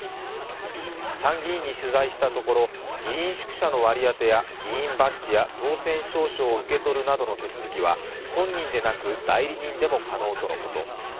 参議院に取材したところ議員宿舎の割り当てや議員バッジや当選証書を受け取るなどの手続きは本人でなく代理人でも可能とのこと。